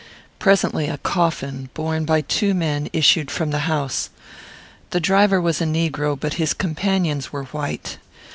Presently a coffin, borne by two men, issued from the house. The driver was a negro; but his companions were white.